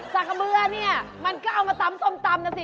กระเบือเนี่ยมันก็เอามาตำส้มตำนะสิ